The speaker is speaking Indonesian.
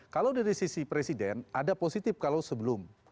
kalau dari sisi presiden ada positif kalau sebelum